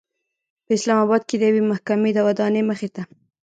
په اسلام آباد کې د یوې محکمې د ودانۍمخې ته